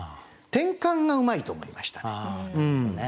転換がうまいと思いましたね。